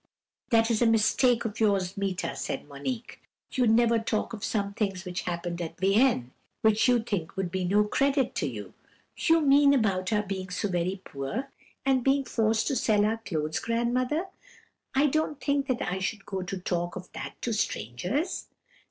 "'That is a mistake of yours, Meeta,' said Monique; 'you never talk of some things which happened at Vienne, which you think would be no credit to you.' "'You mean about our being so very poor, and being forced to sell our clothes, grandmother? I don't think that I should go to talk of that to strangers.'